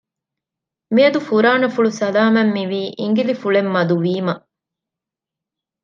މިއަދު ފުރާނަފުޅު ސަލާމަތް މިވީ އިނގިލިފުޅެއް މަދު ވީމަ